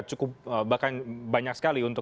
cukup bahkan banyak sekali untuk